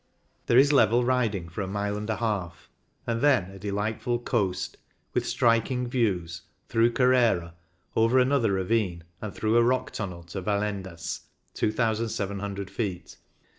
There is level riding for a mile and a half, and then" a delightful coast, with striking views, through Carrera, over another ravine and through a rock tunnel, to Valendas (2,700 ft.)